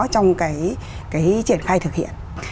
trong cái triển khai thực hiện